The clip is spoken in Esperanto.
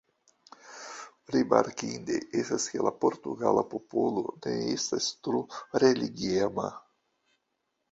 Rimarkinde estas ke la portugala popolo ne estas tro religiema.